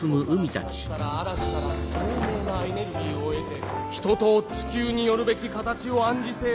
雲から光から嵐から透明なエネルギーを得て人と地球によるべき形を暗示せよ。